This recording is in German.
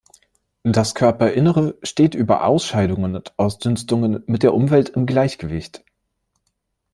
Das Körperinnere steht über Ausscheidungen und Ausdünstungen mit der Umwelt im Gleichgewicht.